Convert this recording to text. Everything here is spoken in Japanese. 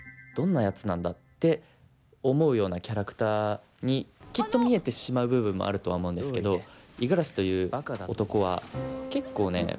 どんなやつなんだ」って思うようなキャラクターにきっと見えてしまう部分もあるとは思うんですけど五十嵐という男は結構ね